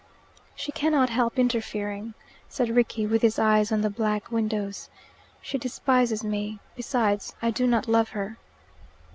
"She cannot help interfering," said Rickie, with his eyes on the black windows. "She despises me. Besides, I do not love her."